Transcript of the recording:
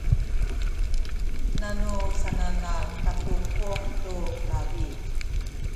nanu sananal katukuh tu labi